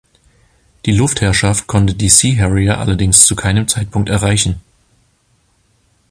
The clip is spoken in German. Die Luftherrschaft konnten die Sea Harrier allerdings zu keinem Zeitpunkt erreichen.